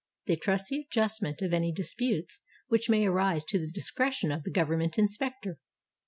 They trust the adjustment of any dis putes which may arise to the discretion of the Govern ment Inspector.